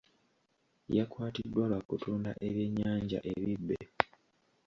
Yakwatiddwa lwa kutunda ebyennyanja ebibbe.